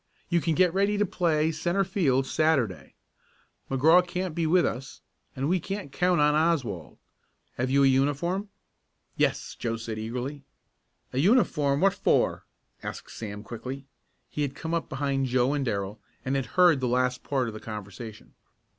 You can get ready to play centre field Saturday. McGraw can't be with us, and we can't count on Oswald. Have you a uniform?" "Yes," said Joe eagerly. "A uniform; what for?" asked Sam Morton quickly. He had come up behind Joe and Darrell, and had heard the last part of the conversation.